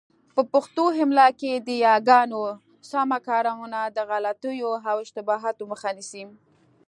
په پښتو املاء کي د یاګانو سمه کارونه د غلطیو او اشتباهاتو مخه نیسي.